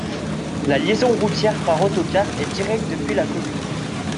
La liaison routière par autocar est directe depuis la commune.